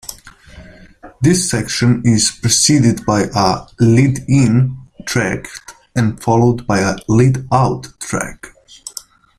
This section is preceded by a "lead-in" track and followed by a "lead-out" track.